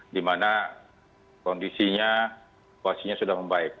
di mana kondisinya situasinya sudah membaik